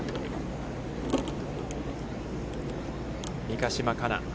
三ヶ島かな。